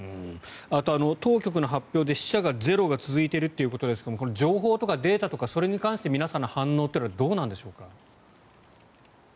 あと、当局の発表で死者ゼロが続いているということですが情報とかデータとかそれに関しての皆さんの反応はどうなんでしょうか。